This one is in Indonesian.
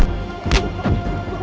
aku mau ke kanjeng itu